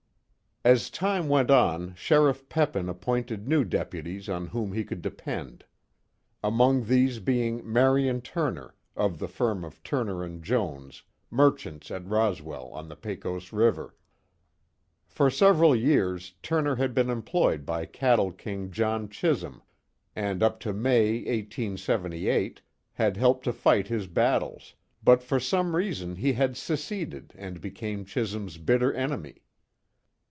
As time went on, Sheriff Peppin appointed new deputies on whom he could depend. Among these being Marion Turner, of the firm of Turner & Jones, merchants at Roswell, on the Pecos river. For several years, Turner had been employed by cattle king John Chisum, and up to May, 1878 had helped to fight his battles, but for some reason he had seceded and became Chisum's bitter enemy.